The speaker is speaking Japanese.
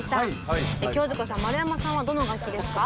清塚さん丸山さんはどの楽器ですか？